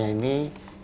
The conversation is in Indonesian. kita bisa menambah